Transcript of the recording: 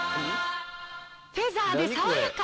フェザーでさわやか。